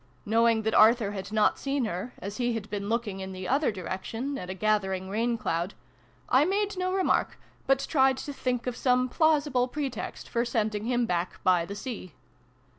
Knowing that Arthur had not seen her, as he had been looking, in the other direction, at a gathering rain cloud, I made no remark, but tried to think of some plausible pretext for sending him back by the sea.